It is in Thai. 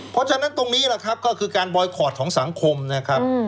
เพราะฉะนั้นตรงนี้แหละครับก็คือการบอยคอร์ดของสังคมนะครับ